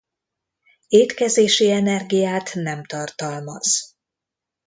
Étkezési energiát nem tartalmaz.